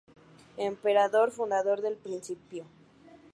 Emperador, fundador del municipio.